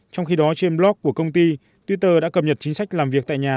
trong khi đó trên blog của công ty twitter đã cập nhật chính sách làm việc tại nhà